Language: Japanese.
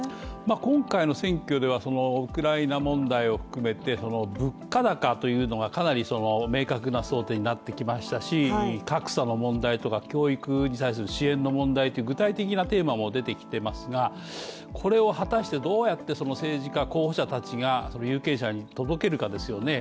今回の選挙ではウクライナ問題を含めて物価高というところがかなり明確な争点になってきましたし、格差の問題とか教育に対する支援の問題という具体的なテーマも出てきていますがこれを果たしてどうやって政治家、候補者たちが有権者に届けるかですよね。